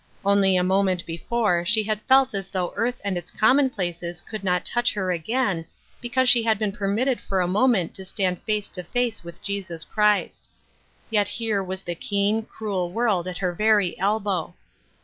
Only a moment before she had felt as though earth and its commonplaces could not touch her again, because she had been permitted for a mo ment to stand face to face with Jesus Christ. Yet here was the keen, cruel world at her very elbow.